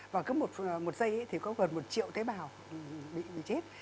và cứ một giây thì có gần một triệu tế bào bị chết